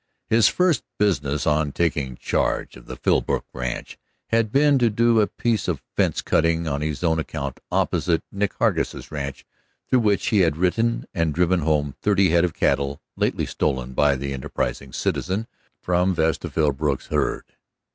His first business on taking charge of the Philbrook ranch had been to do a piece of fence cutting on his own account opposite Nick Hargus' ranch, through which he had ridden and driven home thirty head of cattle lately stolen by that enterprising citizen from Vesta Philbrook's herd.